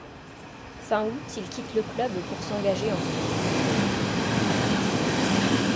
Fin août il quitte le club pour s'engager en France.